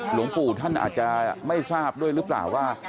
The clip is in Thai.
หลวงปู่ท่านอาจจะไม่ทราบด้วยหรือเปล่าว่า